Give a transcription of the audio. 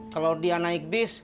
kalau dia naik bis